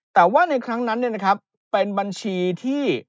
แต่ว่าในครั้งนั้นเป็นบัญชีที่